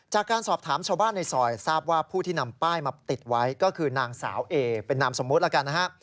จากการสอบถามชาวบ้านในซอยทราบว่าผู้ที่นำป้ายมาติดไว้ก็คือนางสาวเอเป็นนามสมมุติแล้วกันนะฮะ